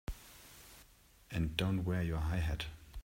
And don't wear your high hat!